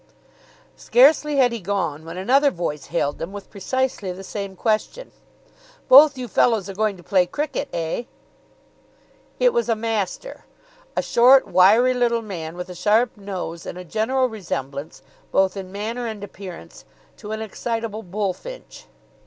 Scarcely had he gone, when another voice hailed them with precisely the same question. "Both you fellows are going to play cricket, eh?" It was a master. A short, wiry little man with a sharp nose and a general resemblance, both in manner and appearance, to an excitable bullfinch.